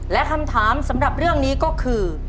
และคำถามสำหรับเรื่องนี้ก็คือ